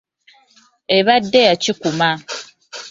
Ebadde ya kikuuma.